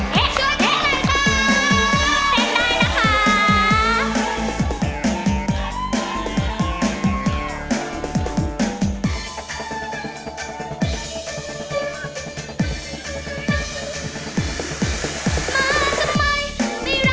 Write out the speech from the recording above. ขอเสียงให้ค่ะ